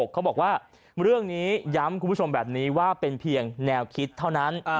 เขาบอกว่าเรื่องนี้ย้ำคุณผู้ชมแบบนี้ว่าเป็นเพียงแนวคิดเท่านั้น